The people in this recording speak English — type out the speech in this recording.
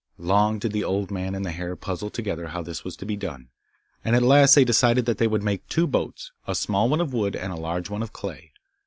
Long did the old man and the hare puzzle together how this was to be done, and at last they decided that they would make two boats, a small one of wood and a large one of clay.